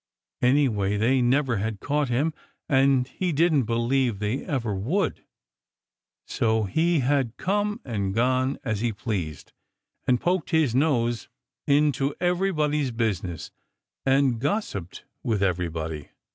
Anyway, they never had caught him, and he didn't believe they ever would. So he had come and gone as he pleased, and poked his nose into everybody's business, and gossiped with everybody.